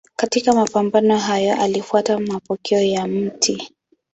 Katika mapambano hayo alifuata mapokeo ya Mt.